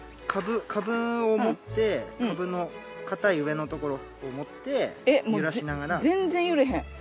株を持って株の硬い上のところを持って揺らしながら。